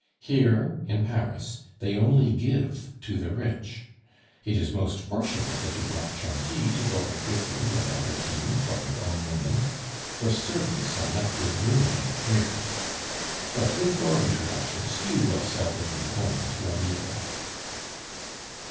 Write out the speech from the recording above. Here, in Paris, they only give to the rich. It is most fortunate that you brought Gentil to go out with you, and Albertine for your own woman, for servants are enough to ruin you here. But with your introductions you will seldom be home to a meal."